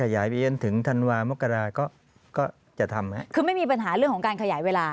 ยังไม่หมดข้าว